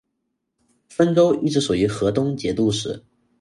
汾州一直属于河东节度使。